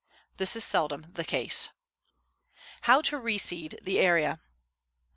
This is seldom the case. _How to Reseed the Area.